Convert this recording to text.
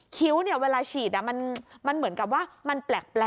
คิ้วเวลาฉีดมันเหมือนกับว่ามันแปลก